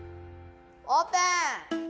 オープン！